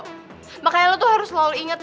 makanya lo tuh harus selalu inget